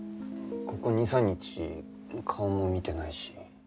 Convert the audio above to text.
ここ２３日顔も見てないし。